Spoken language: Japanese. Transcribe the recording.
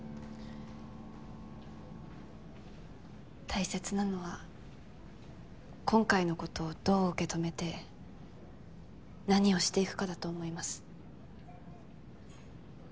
大切なのは今回のことをどう受け止めて何をしていくかだと思います。